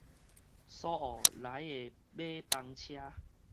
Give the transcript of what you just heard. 蘇澳來的尾班車